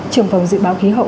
trường phòng dự báo khí hậu